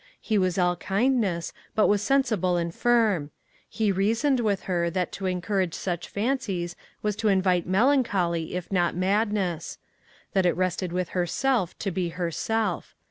He was all kindness, but he was sensible and firm. He reasoned with her, that to encourage such fancies was to invite melancholy, if not madness. That it rested with herself to be herself.